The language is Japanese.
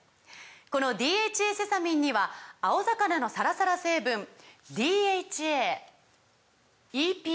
この「ＤＨＡセサミン」には青魚のサラサラ成分ＤＨＡＥＰＡ